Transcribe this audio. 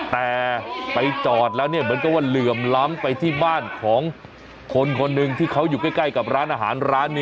แต่ไปจอดแล้วเนี่ยเหมือนกับว่าเหลื่อมล้ำไปที่บ้านของคนคนหนึ่งที่เขาอยู่ใกล้กับร้านอาหารร้านนี้